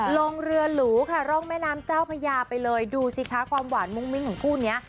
ลงเรือหรูค่ะร่องแม่น้ำเจ้าพญาไปเลยดูสิคะความหวานมุ้งมิ้งของคู่นี้